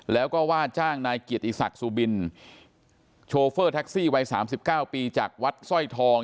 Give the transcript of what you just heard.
แล้วก็ว่าจ้างนายเกียรติศักดิ์สุบินโชเฟอร์แท็กซี่วัย๓๙ปีจากวัดสร้อยทอง